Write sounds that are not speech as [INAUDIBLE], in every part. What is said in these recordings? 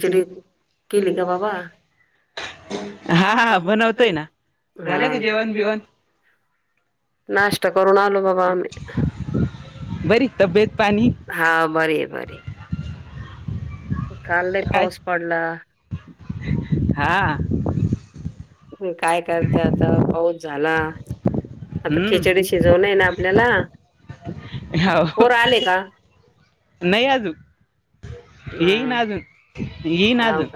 चि कि लिखा बाबा. हा हात जेवण जेवण. नाश् करून आलो बाबा आम्ही. बरी तब्येत पाणी, हा बर आहे बर. काल नाही पाऊस पडला. हा. काय करते आता पाऊस झाला. आता खिचडी शिजवणे आहे ना आपल्याला हव नाही आजून येई नाजून येई नाजून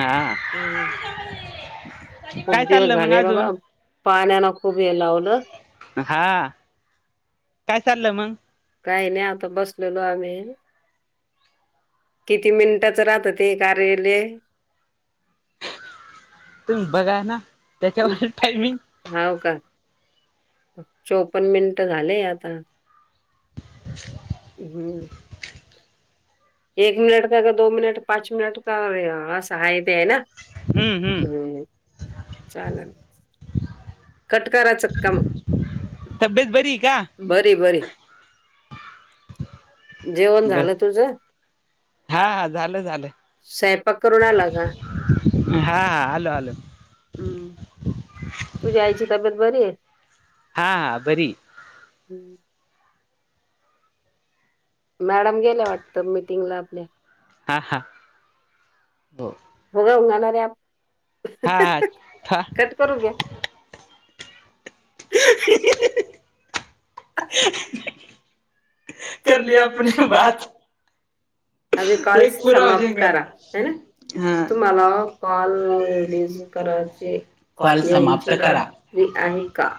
आ हो खूप दिवस झाले बाबा पाण्या न खूब वेळ लावलं. हा काय चालं मग काय नाही आता बसलेलो आम्ही किती मिनिटांचा राहत ते कार्यालय. तुम्ही बघा ना, त्याच्यावर टायमिंग. हाव का? चौपन मिनिटं झालेय आता [INAUDIBLE] हम्म, एक मिनट का का दो मिनिट पाच मिनट का असहाय ते आहे ना, हम्म, चालल कट कराचं काम म [UNINTELLIGIBLE] बरी बरी जेवण झालं तुझं हा स्वयंपाक करून आला गा. हा.. आलो आलो. तुझ्या आईची तब्येत बरीय. हा. बरी हम्म, मॅडम गेल्या वाटतं मीटिंगला आपल्या हा हा, हो. [UNINTELLIGIBLE] हा.. ठा ह [INAUDIBLE] [INAUDIBLE] करली आपने बात. अ [UNINTELLIGIBLE] कॉल समाप्त करा हाना तुम्हाला कॉलिज कराचे यायचे द आहे का?